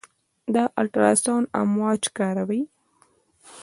د الټراساونډ امواج کاروي.